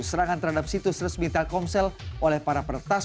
serangan terhadap situs resmi telkomsel oleh para peretas